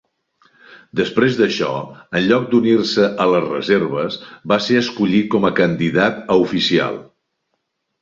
Després d'això, en lloc d'unir-se a les reserves, va ser escollit com a candidat a oficial.